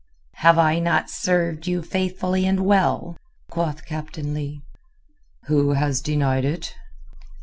"Have I not served you faithfully and well?" quoth Captain Leigh. "Who has denied it?"